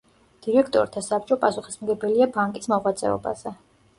დირექტორთა საბჭო პასუხისმგებელია ბანკის მოღვაწეობაზე.